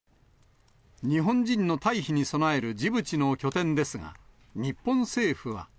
日本人の退避に備えるジブチの拠点ですが、日本政府は。